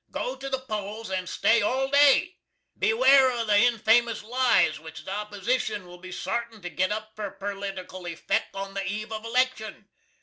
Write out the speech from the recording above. Go to the poles and stay all day. Bewair of the infamous lise whitch the Opposishun will be sartin to git up fur perlitical effek on the eve of eleckshun.